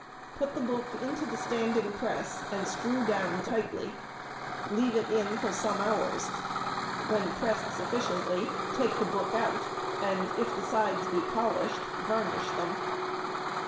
Put the book into the standing press, and screw down tightly. Leave in for some hours. When pressed sufficiently, take the book out, and if the sides be polished, varnish them.